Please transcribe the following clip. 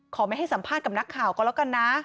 ไม่ให้สัมภาษณ์กับนักข่าวก็แล้วกันนะ